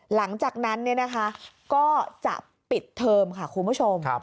หลังจากนั้นก็จะปิดเทอมค่ะคุณผู้ชม